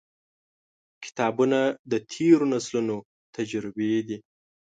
• کتابونه، د تیرو نسلونو تجربې دي.